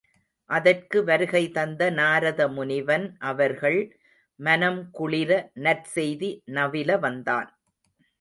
அதற்கு வருகை தந்த நாரத முனிவன் அவர்கள் மனம் குளிர நற் செய்தி நவில வந்தான்.